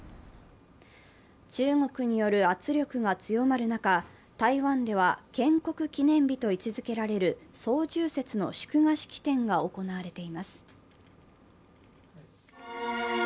中国による圧力が強まる中、台湾では建国記念日と位置づけられる双十節の祝賀式典が行われています。